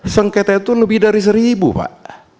sengketa itu lebih dari seribu pak